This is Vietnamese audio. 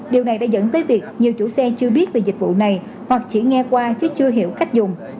điều này đã dẫn tới việc nhiều chủ xe chưa biết về dịch vụ này hoặc chỉ nghe qua chứ chưa hiểu cách dùng